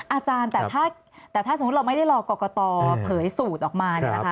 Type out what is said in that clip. อาจารย์แต่ถ้าสมมุติเราไม่ได้รอกกกตเผยสูตรออกมา